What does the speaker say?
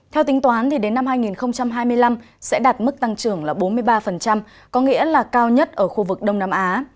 theo tính toán đến năm hai nghìn hai mươi năm sẽ đạt mức tăng trưởng là bốn mươi ba có nghĩa là cao nhất ở khu vực đông nam á